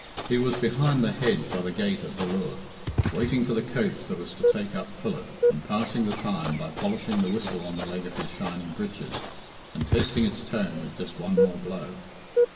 He was behind the hedge by the gate at Ballure, waiting for the coach that was to take up Philip, and passing the time by polishing the whistle on the leg of his shining breeches, and testing its tone with just one more blow.